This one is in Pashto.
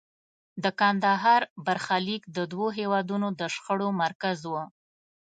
د کندهار برخلیک د دوو هېوادونو د شخړو مرکز و.